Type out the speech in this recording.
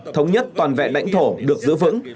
thống nhất toàn vẹn đảnh thổ được giữ vững